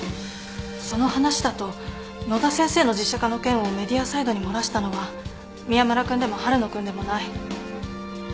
その話だと野田先生の実写化の件をＭＥＤＩＡサイドに漏らしたのは宮村君でも春野君でもない。